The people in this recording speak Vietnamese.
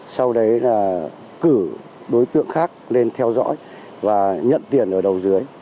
sau đấy là cử đối tượng khác lên theo dõi và nhận tiền ở đầu dưới